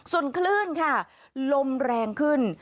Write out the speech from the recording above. ส่วนคลื่นค่ะลมแรงขึ้น